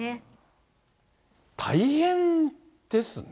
大変ですね。